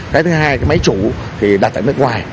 cái thứ hai cái máy chủ thì đặt tại nước ngoài